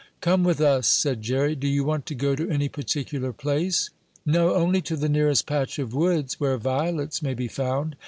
"Come with us," said Jerry. "Do you want to go to any particular place?" "No, only to the nearest patch of woods where violets may be found.